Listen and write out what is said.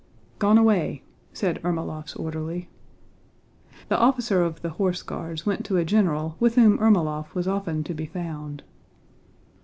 "Gone away," said Ermólov's orderly. The officer of the Horse Guards went to a general with whom Ermólov was often to be found.